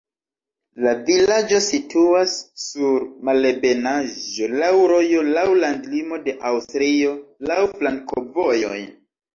La vilaĝo situas sur malebenaĵo, laŭ rojo, laŭ landlimo de Aŭstrio, laŭ flankovojoj.